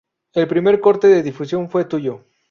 El primer corte de difusión fue "Tuyo".